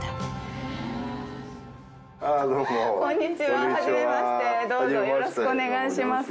はじめましてどうぞよろしくお願いします。